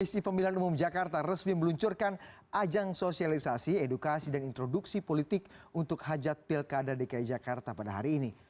komisi pemilihan umum jakarta resmi meluncurkan ajang sosialisasi edukasi dan introduksi politik untuk hajat pilkada dki jakarta pada hari ini